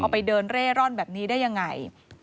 ไปเดินเร่ร่อนแบบนี้ได้ยังไง